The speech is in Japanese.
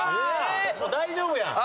もう大丈夫やん。